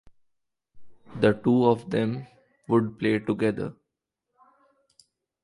The two of them would play together.